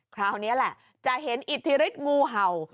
คราวนี้แหละจะเห็นอิทธิฤทธิงูเห่า